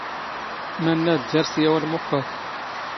ⵎⴰⵏⵏⴰⴷ ⴷⴰⵔⵙ ⵢⴰⵏ ⵓⵍⵎⵓⵇⵇⴰⵔ.